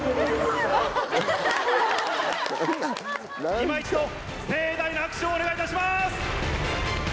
いま一度盛大な拍手をお願いいたします！